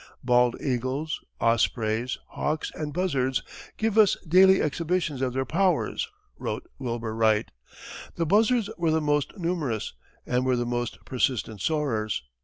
Bald eagles, ospreys, hawks, and buzzards give us daily exhibitions of their powers [wrote Wilbur Wright]. The buzzards were the most numerous, and were the most persistent soarers.